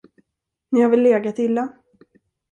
Ni har väl legat illa?